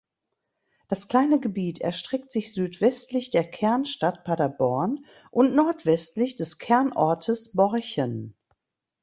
Das kleine Gebiet erstreckt sich südwestlich der Kernstadt Paderborn und nordwestlich des Kernortes Borchen.